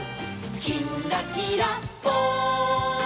「きんらきらぽん」